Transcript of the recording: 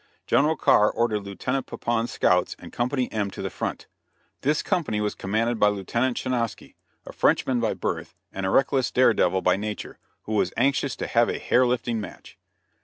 General Carr ordered Lieutenant Pepoon's scouts and Company M to the front. This company was commanded by Lieutenant Schinosky, a Frenchman by birth and a reckless dare devil by nature, who was anxious to have a hair lifting match.